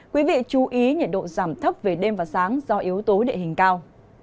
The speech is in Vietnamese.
quý vị chú ý nhiệt độ giảm thấp về đêm và sáng do yếu tố địa hình cao